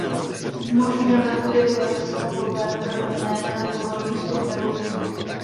Umožňuje vazbu derivace stavové proměnné na libovolný vstup nebo výstup.